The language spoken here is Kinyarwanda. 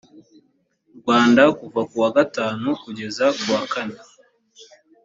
rwanda kuva ku wa gatanu kugeza kuwa kane